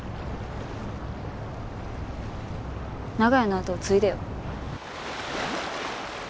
長屋の後を継いでよ。